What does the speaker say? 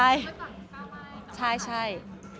ไม่สั่งกล้าวไหมค่ะค่ะใช่